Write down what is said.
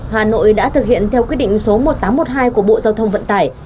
hà nội đã thực hiện theo quyết định số một nghìn tám trăm một mươi hai của bộ giao thông vận tải